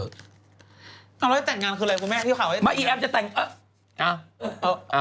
้าจะแต่งงานคืออะไรกูแม็ที่ขอ